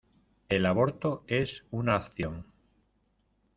El aborto es una acción.